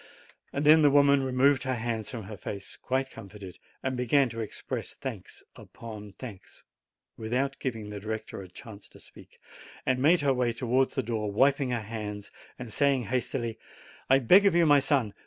Then the woman removed her hands from her face, quite comforted, and began to express thanks upon thanks, without giving the director a chance to speak, and made her way towards the door, wiping her eyes, and saying hastily: "I beg of you, my son.